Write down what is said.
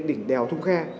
đỉnh đèo thung khe